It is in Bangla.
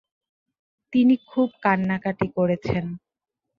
তিনি খুব কান্নাকাটি করেছেন।